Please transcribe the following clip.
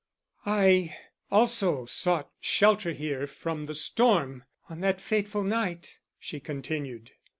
"I also sought shelter here from the storm on that fateful night," she continued.